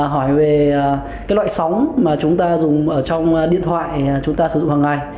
hỏi về cái loại sóng mà chúng ta dùng ở trong điện thoại chúng ta sử dụng hàng ngày